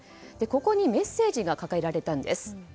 ここにメッセージが掲げられたんです。